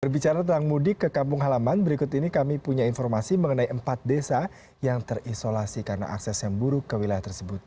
berbicara tentang mudik ke kampung halaman berikut ini kami punya informasi mengenai empat desa yang terisolasi karena akses yang buruk ke wilayah tersebut